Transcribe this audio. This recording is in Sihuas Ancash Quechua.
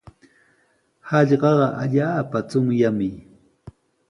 Hallqaqa allaapa chunyaqmi.